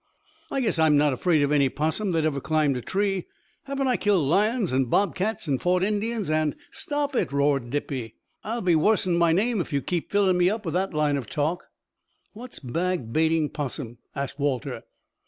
"I guess I'm not afraid of any 'possum that ever climbed a tree. Haven't I killed lions and bob cats and fought Indians, and " "Stop it!" roared Dippy. "I'll be worse'n my name if you keep filling me up with that line of talk." "What's bag baiting 'possum?" asked Walter.